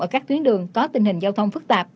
ở các tuyến đường có tình hình giao thông phức tạp